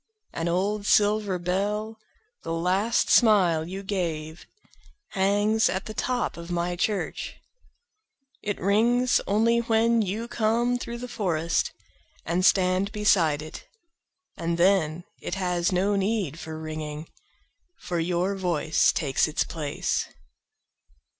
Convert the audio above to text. An old silver bell, the last smile you gave, Hangs at the top of my church.It rings only when you come through the forestAnd stand beside it. And then, it has no need for ringing, For your voice takes its place.